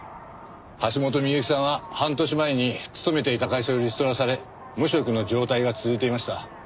橋本美由紀さんは半年前に勤めていた会社をリストラされ無職の状態が続いていました。